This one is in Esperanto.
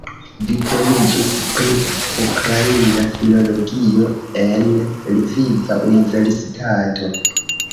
Diplomiĝis pri ukraina filologio en Lviva Universitato.